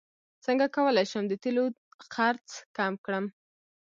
څنګه کولی شم د تیلو خرڅ کم کړم